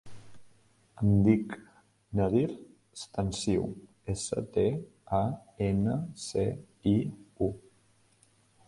Em dic Nadir Stanciu: essa, te, a, ena, ce, i, u.